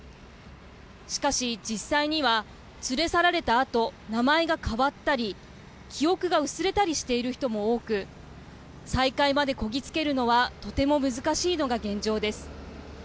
しかし、実際には連れ去られたあと名前が変わったり記憶が薄れたりしている人も多く再会までこぎつけるのはとても難しいのが現状です。